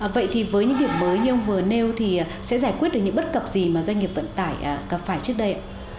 vậy thì với những điểm mới như ông vừa nêu thì sẽ giải quyết được những bất cập gì mà doanh nghiệp vận tải gặp phải trước đây ạ